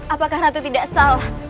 apakah ratu tidak salah